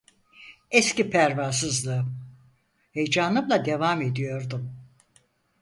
Eski pervasızlığım, heyecanımla devam ediyordum.